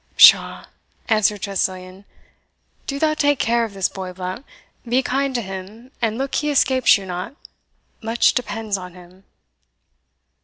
"Pshaw!" answered Tressilian; "do thou take care of this boy, Blount; be kind to him, and look he escapes you not much depends on him."